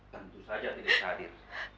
tentu saja tidak hadir